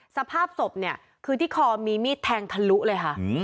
สภาพศพเนี่ยคือที่คอมีมีดแทงทะลุเลยค่ะ